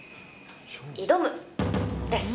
挑むです。